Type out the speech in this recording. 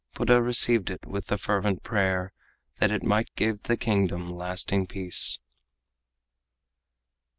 Buddha received it with the fervent prayer That it might give the kingdom lasting peace.